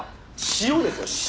塩ですよ塩。